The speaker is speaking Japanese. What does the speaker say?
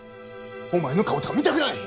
お前の顔とか見たくない！